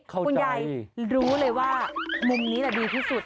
คุณยายรู้เลยว่ามุมนี้ดีที่สุด